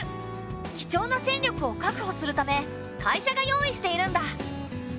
貴重な戦力を確保するため会社が用意しているんだ。